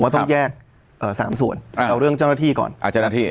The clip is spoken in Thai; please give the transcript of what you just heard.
ผมว่าต้องแยกเอ่อสามส่วนเอาเรื่องเจ้าหน้าที่ก่อนอ่าเจ้าหน้าที่